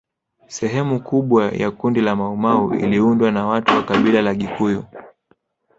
Sehemu kubwa ya kundi la Maumau iliundwa na watu wa kabila la Gikuyu